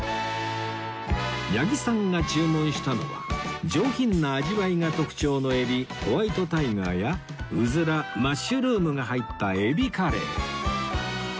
八木さんが注文したのは上品な味わいが特徴のエビホワイトタイガーやうずらマッシュルームが入ったエビカレー